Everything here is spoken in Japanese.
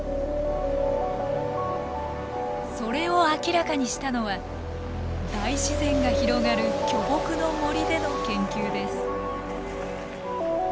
それを明らかにしたのは大自然が広がる巨木の森での研究です。